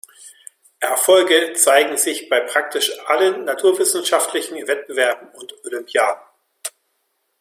Erfolge zeigen sich bei praktisch allen naturwissenschaftlichen Wettbewerben und Olympiaden.